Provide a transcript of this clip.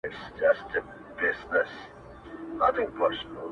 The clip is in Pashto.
کلي چوپتيا کي ژوند کوي-